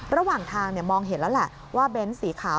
ระหว่างทางมองเห็นแล้วแหละว่าเบ้นสีขาว